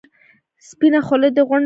سپینه خوله دې غونډه منډه.